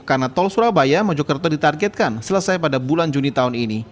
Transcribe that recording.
karena tol surabaya menjukertur ditargetkan selesai pada bulan juni tahun ini